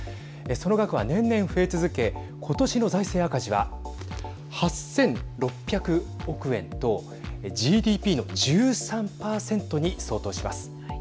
その額は年々増え続けことしの財政赤字は８６００億円とＧＤＰの１３％に相当します。